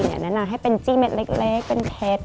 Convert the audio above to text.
แนะนำให้เป็นจี้เม็ดเล็กเป็นเพชร